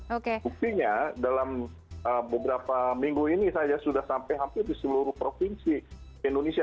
buktinya dalam beberapa minggu ini saja sudah sampai hampir di seluruh provinsi indonesia